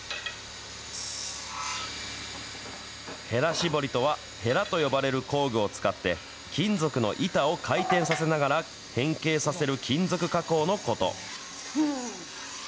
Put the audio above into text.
へら絞りとは、へらと呼ばれる工具を使って、金属の板を回転させながら変形させる金属加工のこと。